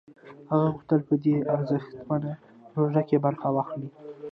هغه غوښتل په دې ارزښتمنه پروژه کې برخه واخلي